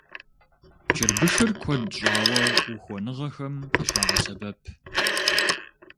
Чырбышыр куэд щӀауэ ухуэныгъэхэм къыщагъэсэбэп.